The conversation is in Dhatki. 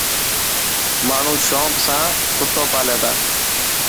ماڻو شونق سان ڪتو پالي تا.